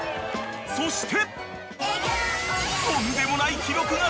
［そして］